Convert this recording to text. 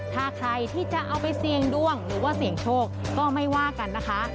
ถ้าใครที่จะเอาไปเสี่ยงดวงหรือว่าเสี่ยงโชคก็ไม่ว่ากันนะคะ